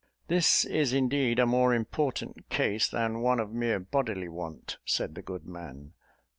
"This is indeed a more important case than one of mere bodily want," said the good man.